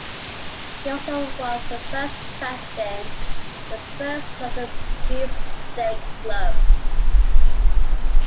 He also was the first president of the first London Beefsteak Club.